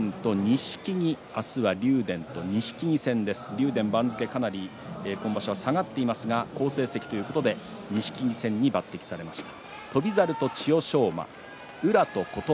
竜電は番付、今場所かなり下がっていますが好成績ということで錦木戦に抜てきされました。